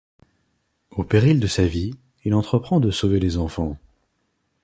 Au péril de sa vie, il entreprend de sauver les enfants.